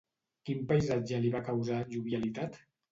Quin paisatge li va causar jovialitat?